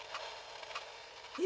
え？